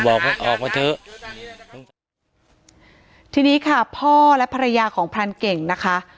บอกให้ออกมาเถอะทีนี้ค่ะพ่อและภรรยาของพรานเก่งนะคะ